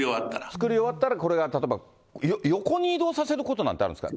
作り終わったら、例えば横に移動させることなんてあるんですか。